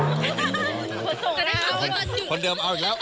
คนเดิมเอาอีกแล้ว